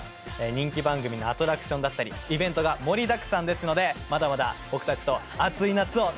人気番組のアトラクションだったりイベントが盛りだくさんですのでまだまだ僕たちとアツい夏を楽しみましょう。